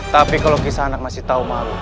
tapi kalau kisah anak masih tahu malu